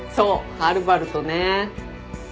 はるばるとね。